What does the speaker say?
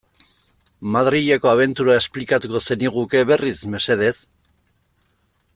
Madrileko abentura esplikatuko zeniguke berriz, mesedez?